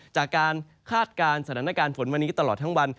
คาดการณ์สถานการณ์ฝนวันนี้ตลอดทั้งวัน